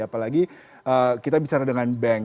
apalagi kita bicara dengan bank